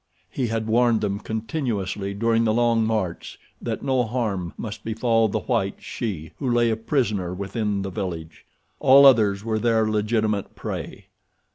He had warned them continuously during the long march that no harm must befall the white she who lay a prisoner within the village. All others were their legitimate prey.